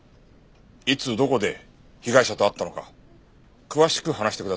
いつどこで被害者と会ったのか詳しく話してください。